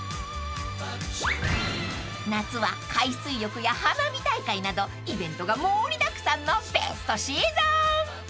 ［夏は海水浴や花火大会などイベントが盛りだくさんのベストシーズン］